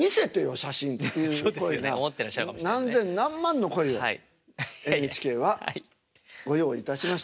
写真っていう声が何千何万の声をＮＨＫはご用意いたしました。